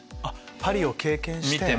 パリを経験して。